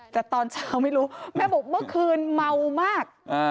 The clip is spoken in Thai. แต่ตอนเช้าไม่รู้แม่บอกเมื่อคืนเมามาก